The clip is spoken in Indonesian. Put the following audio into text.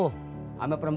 udah aja biginin